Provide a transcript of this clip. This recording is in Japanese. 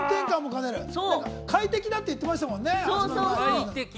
快適だって言ってましたもんね。